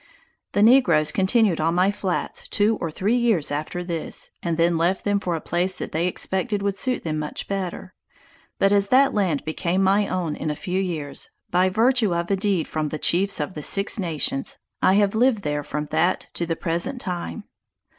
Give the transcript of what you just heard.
The negroes continued on my flats two or three years after this, and then left them for a place that they expected would suit them much better. But as that land became my own in a few years, by virtue of a deed from the Chiefs of the Six Nations, I have lived there from that to the present time.